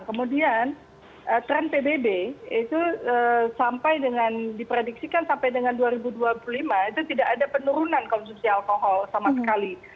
kemudian tren pbb itu sampai dengan diprediksikan sampai dengan dua ribu dua puluh lima itu tidak ada penurunan konsumsi alkohol sama sekali